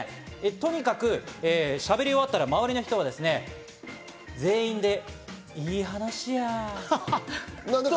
とにかくしゃべり終わったら周りの人が全員で、「いい話や」と言う。